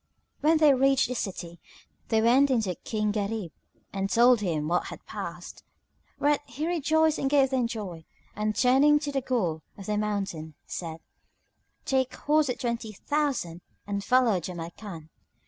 When they reached the city, they went in to King Gharib and told him what had passed, whereat he rejoiced and gave them joy and, turning to the Ghul of the Mountain, said, "Take horse with twenty thousand and follow Jamrkan."